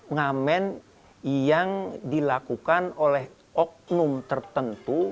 ngamen yang dilakukan oleh oknum tertentu